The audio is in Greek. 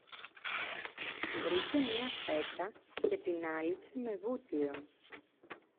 Βρήκε μια φέτα και την άλέιψε με βούτυρο